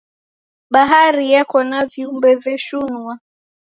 Bahari yeko na viumbe veshunua.